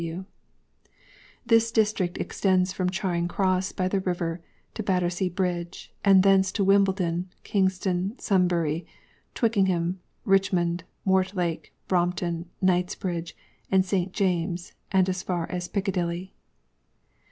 (S.W.) This District extends from Charing Cross by the river to Battersea bridge; and thence to Wimbledon, Kingston, Sunbury, Twickenham, Richmond, Mortlake, Brompton, Knightsbridge, and St. JamesŌĆÖs, as far as Piccadilly.